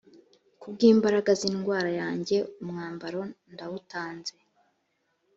ku bw imbaraga z indwara yanjye umwambaro ndawutanze